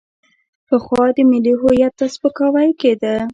پخوا ملي هویت ته سپکاوی کېده.